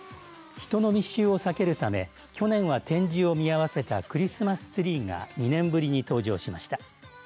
人の密集を避けるため去年は展示を見合わせたクリスマスツリーが２年ぶりに登場しました。